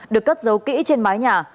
được cất giấu kỹ trên mái nhà